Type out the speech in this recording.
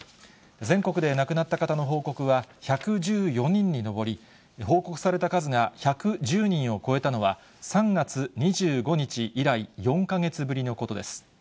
全国で亡くなった方の報告は、１１４人に上り、報告された数が１１０人を超えたのは、３月２５日以来、４か月ぶりのことです。